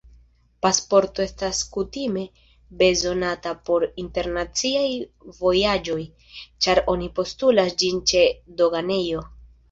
Pasporto estas kutime bezonata por internaciaj vojaĝoj, ĉar oni postulas ĝin ĉe doganejo.